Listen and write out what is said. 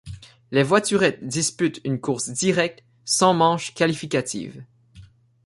Les voiturettes disputent une course directe, sans manche qualificative.